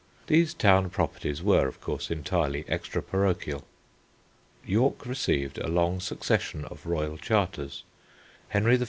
These town properties were, of course, entirely extra parochial. York received a long succession of royal charters. Henry I.